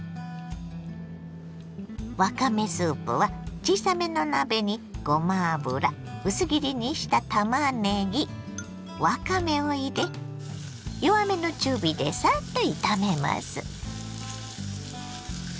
わかめスープは小さめの鍋にごま油薄切りにしたたまねぎわかめを入れ弱めの中火でサッと炒めます。